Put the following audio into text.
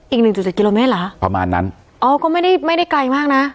อีก๑๗กิโลเมตรเหรอประมาณนั้นอ๋อก็ไม่ได้ไกลมากนะ